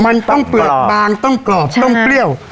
มันต้องเปลือกบางต้องกรอบต้องเปรี้ยว